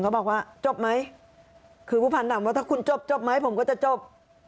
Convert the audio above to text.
ก็บอกว่าจบไหมคือผู้ผ่านสัมวิสัดภาษณะว่าถ้าคุณจบจบไหมผมก็จะจบ